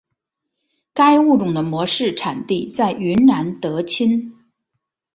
该物种的模式产地在云南德钦。